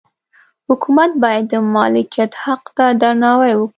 حکومت باید د مالکیت حق ته درناوی وکړي.